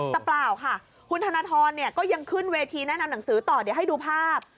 แต่เปล่าค่ะคุณธนทรก็ยังขึ้นเวทีแนะนำหนังสือต่อเดี๋ยวให้ดูภาพ